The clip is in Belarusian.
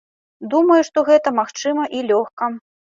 Думаю, што гэта магчыма і лёгка.